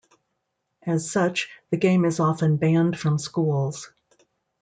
As such, the game is often banned from schools.